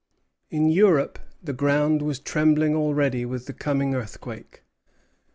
In Europe the ground was trembling already with the coming earthquake.